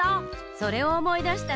それをおもいだしたのね。